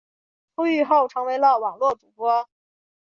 出狱后成为了网络主播。